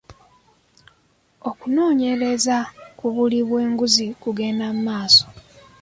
Okunoonyereza ku buli bw'enguzi kugenda mu maaso.